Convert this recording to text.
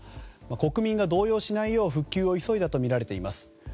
国民が動揺しないよう復旧を急いだとみられています。